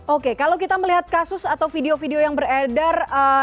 oke kalau kita melihat kasus atau video video yang beredar